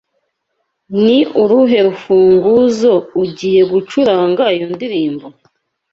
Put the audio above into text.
Ni uruhe rufunguzo ugiye gucuranga iyo ndirimbo?